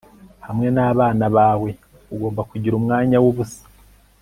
hamwe nabana bawe, ugomba kugira umwanya wubusa